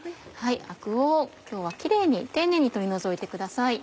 アクを今日はキレイに丁寧に取り除いてください。